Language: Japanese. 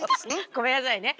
ごめんなさいね。